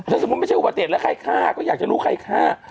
ถ้าสมมุติไม่ใช่อุบัติเหตุแล้วใครฆ่าก็อยากจะรู้ใครฆ่า